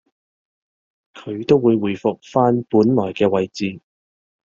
佢都會回復返本來嘅位置